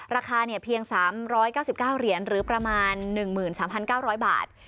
ราคาเพียง๓๙๙เหรียญหรือประมาณ๑๓๙๐๐บาท